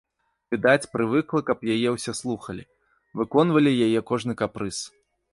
Відаць, прывыкла, каб яе ўсе слухалі, выконвалі яе кожны капрыз.